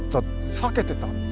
避けてた？